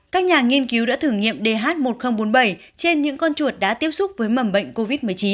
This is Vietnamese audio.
các nhà nghiên cứu đã thử nghiệm dh một nghìn bốn mươi bảy trên những con chuột đã tiếp xúc với mầm bệnh covid một mươi chín